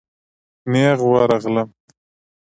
نېغ ورغلم.